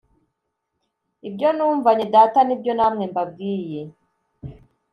Ibyo numvanye Data nibyo namwe mbabwiye